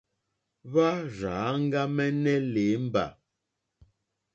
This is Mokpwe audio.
Hwá rzà áŋɡàmɛ̀nɛ̀ lěmbà.